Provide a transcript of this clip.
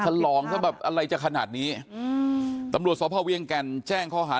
ฉลองซะแบบอะไรจะขนาดนี้อืมตำรวจสพเวียงแก่นแจ้งข้อหา